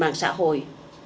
báo nhân dân phải luôn